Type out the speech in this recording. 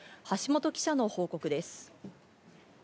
橋本記者の報告です。